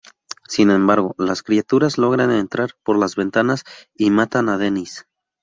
Sin embargo, las criaturas logran entrar por las ventanas y matan a Dennis.